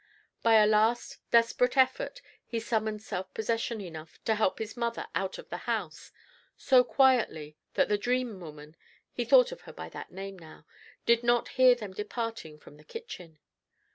By a last desperate effort, he summoned self possession enough to help his mother out of the house so quietly that the "Dream woman" (he thought of her by that name now) did not hear them departing from the kitchen.